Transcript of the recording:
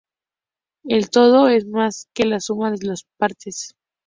El todo es más que la suma de las partes.